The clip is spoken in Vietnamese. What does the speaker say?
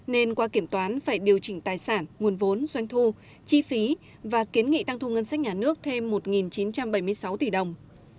nên qua kiểm toán phải điều chỉnh tài sản nguồn vốn doanh thu chi phí và kiến nghị tăng thu ngân sách nhà nước thêm một chín trăm bảy mươi sáu tỷ đồng